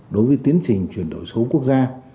đối với tiến trình chuyển đổi số quốc gia